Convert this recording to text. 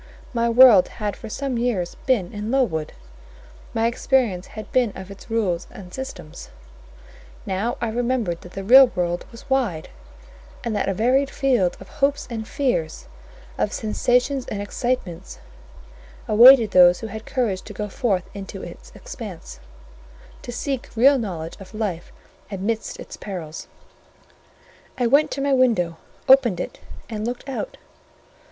My world had for some years been in Lowood: my experience had been of its rules and systems; now I remembered that the real world was wide, and that a varied field of hopes and fears, of sensations and excitements, awaited those who had courage to go forth into its expanse, to seek real knowledge of life amidst its perils. I went to my window, opened it, and looked out.